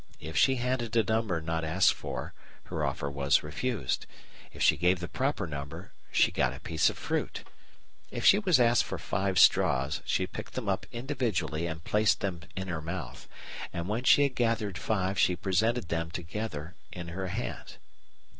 If she handed a number not asked for, her offer was refused; if she gave the proper number, she got a piece of fruit. If she was asked for five straws, she picked them up individually and placed them in her mouth, and when she had gathered five she presented them together in her hand.